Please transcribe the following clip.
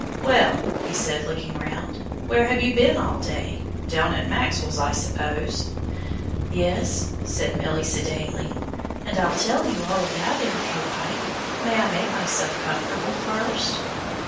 "Well," he said, looking round, "where have you been all day? Down at Maxwell's, I suppose?" "Yes," said Milly, sedately; "and I'll tell you all about it, if you like. May I make myself comfortable first?"